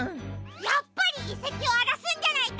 やっぱりいせきをあらすんじゃないか！